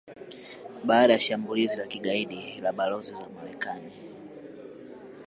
baada ya shambulizi la kigaidi la balozi za Marekani